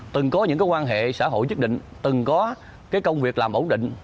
từng có những cái quan hệ xã hội chức định từng có cái công việc làm ổn định